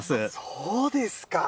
そうですか。